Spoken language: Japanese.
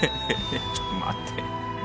ちょっと待って。